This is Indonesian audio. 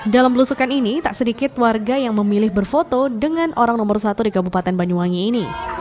dalam belusukan ini tak sedikit warga yang memilih berfoto dengan orang nomor satu di kabupaten banyuwangi ini